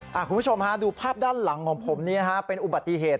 คุณผู้ชมดูภาพด้านหลังของผมเป็นอุบัติเหตุ